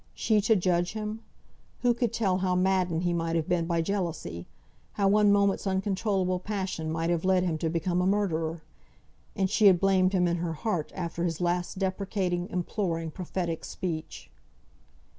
She to judge him? Who could tell how maddened he might have been by jealousy; how one moment's uncontrollable passion might have led him to become a murderer? And she had blamed him in her heart after his last deprecating, imploring, prophetic speech!